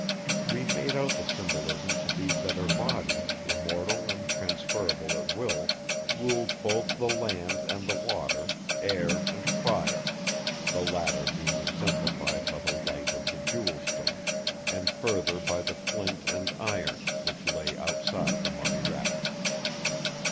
We made out the symbolism to be that her body, immortal and transferable at will, ruled both the land and water, air and fire—the latter being exemplified by the light of the Jewel Stone, and further by the flint and iron which lay outside the mummy wrappings.